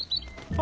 あ！